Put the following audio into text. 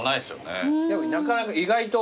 なかなか意外と。